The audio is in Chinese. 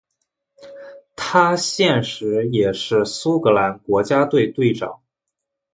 他现时也是苏格兰国家队队长。